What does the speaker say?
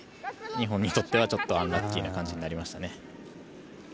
日本にとってはちょっとアンラッキーな形になりました。